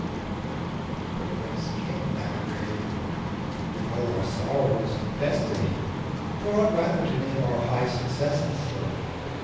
But whence came that ray? We call our sorrows Destiny, but ought Rather to name our high successes so.